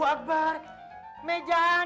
orang yang suka perempuan